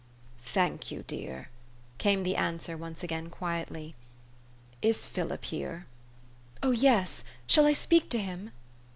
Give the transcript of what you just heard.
" Thank you, dear," came the answer once again quietly. '' Is Philip here ?''" Oh, yes ! Shall I speak to him?